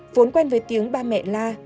vốn quen với tiếng ba mẹ la